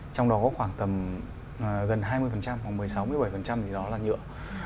trong đó có khoảng tầm gần hai mươi khoảng một mươi sáu một mươi bảy thì đó là nhựa